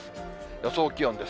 予想気温です。